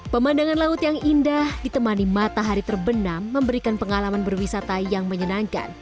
pemandangan laut yang indah ditemani matahari terbenam memberikan pengalaman berwisata yang menyenangkan